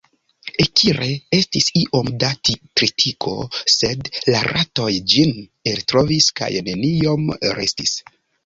Ekire, estis iom da tritiko, sed la ratoj ĝin eltrovis, kaj neniom restis.